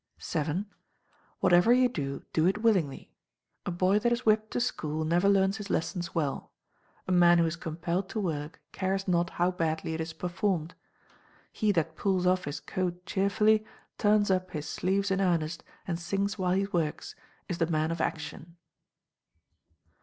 vii. Whatever you do, do it willingly. A boy that is whipped to school never learns his lessons well. A man who is compelled to work cares not how badly it is performed. He that pulls off his coat cheerfully, turns up his sleeves in earnest, and sings while he works, is the man of action.